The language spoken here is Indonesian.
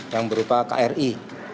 yang berupa kri